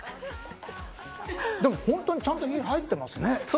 本当にちゃんと火が入ってますね。